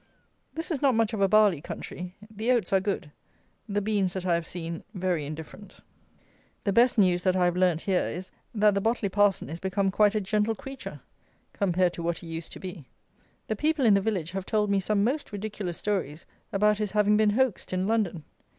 This is not much of a barley country. The oats are good. The beans that I have seen, very indifferent. The best news that I have learnt here is, that the Botley parson is become quite a gentle creature, compared to what he used to be. The people in the village have told me some most ridiculous stories about his having been hoaxed in London!